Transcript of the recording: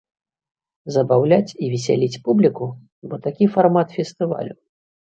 Забаўляць і весяліць публіку, бо такі фармат фестывалю.